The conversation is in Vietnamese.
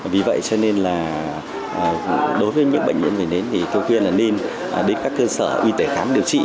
vì vậy cho nên đối với những bệnh viêm vẩy nến thì kêu khuyên là nên đến các cơ sở uy tế khám điều trị